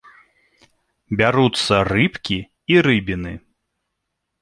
Бяруцца рыбкі і рыбіны.